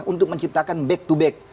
untuk menciptakan back to back